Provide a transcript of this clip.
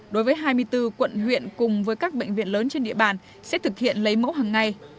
đối với hai mươi bốn quận huyện cùng với các bệnh viện lớn trên địa bàn sẽ thực hiện lấy mẫu hằng ngày